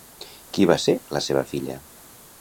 Qui va ser la seva filla?